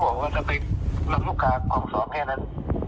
เขาบอกว่าจะไปหลับลูกค้าของสอบแค่นั้น